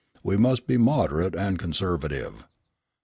We must be moderate and conservative."